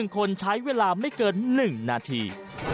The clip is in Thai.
๑คนใช้เวลาไม่เกิน๑นาที